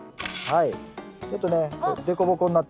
はい。